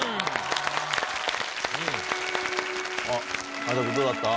有田君どうだった？